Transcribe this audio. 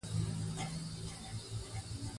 افغانستان د چنګلونه په برخه کې نړیوال شهرت لري.